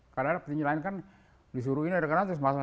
karena petinju lain kan disuruh ini ada karena terus masuk